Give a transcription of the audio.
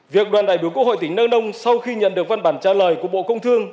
việc đoàn đại biểu quốc hội tỉnh năng nông sau khi nhận được văn bản trả lời của bộ công thương